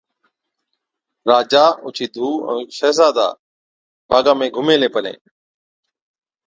راجا اوڇِي ڌُو ائُون شهزادا باغا ۾ گھُمين هِلين پلين،